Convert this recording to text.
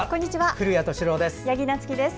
古谷敏郎です。